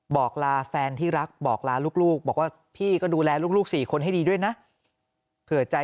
บอกลาแฟนที่รักบอกลาลูกบอกว่าพี่ก็ดูแลลูก๔คนให้ดีด้วยนะเผื่อใจ